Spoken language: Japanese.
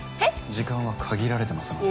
時間は限られてますので。